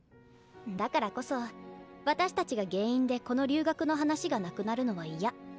だからこそ私たちが原因でこの留学の話がなくなるのは嫌。